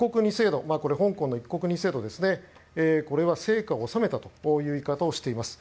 香港の一国二制度はこれは成果を収めたという言い方をしています。